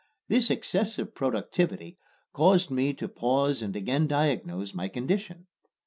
This excessive productivity caused me to pause and again diagnose my condition.